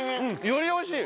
よりおいしい。